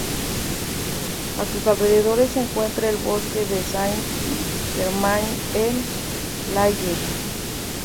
A sus alrededores se encuentra el bosque de Saint-Germain-en-Laye.